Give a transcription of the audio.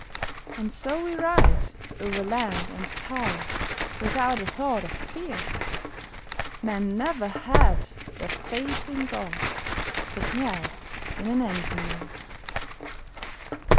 And so we ride Over land and tide, Without a thought of fear _Man never had The faith in God That he has in an engineer!